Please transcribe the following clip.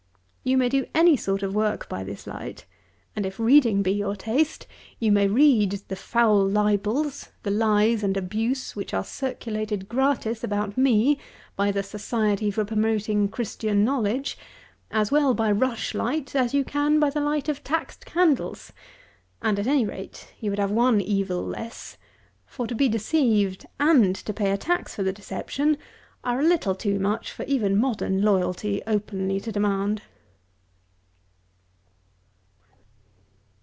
You may do any sort of work by this light; and, if reading be your taste, you may read the foul libels, the lies and abuse, which are circulated gratis about me by the "Society for promoting Christian Knowledge," as well by rush light, as you can by the light of taxed candles; and, at any rate, you would have one evil less; for to be deceived and to pay a tax for the deception are a little too much for even modern loyalty openly to demand.